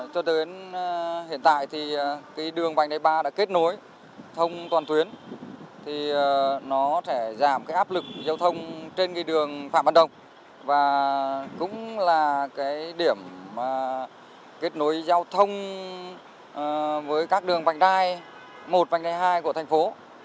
cho đến hiện tại thì đường vành đài ba đã kết nối thông toàn tuyến thì nó sẽ giảm áp lực giao thông trên đường phạm văn đồng và cũng là điểm kết nối giao thông với các đường vành đài một vành đài hai của thành phố